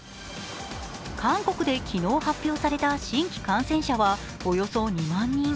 韓国で昨日発表された新規感染者はおよそ２万人。